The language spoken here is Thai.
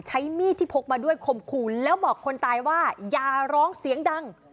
ใช้มีดที่พกมาด้วยข่มขู่แล้วบอกคนตายว่าอย่าร้องเสียงดัง